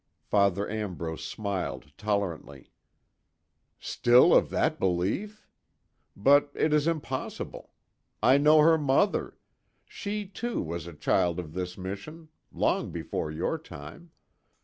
Father Ambrose smiled tolerantly: "Still of that belief? But, it is impossible. I know her mother. She, too, was a child of this mission long before your time.